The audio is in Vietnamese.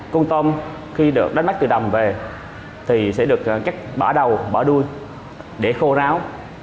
cuốn tôm khi được đánh bắt từ đầm về thì sẽ được cắt bỏ đầu bỏ đuôi để khô ráo